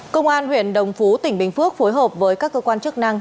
công an huyện đồng phú tỉnh bình phước phối hợp với các cơ quan chức năng